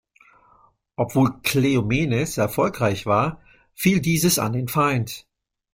Obwohl Kleomenes erfolgreich war, fiel dieses an den Feind.